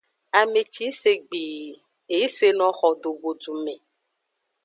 Ame ci yi se gbii, e yi seno xo do godu me.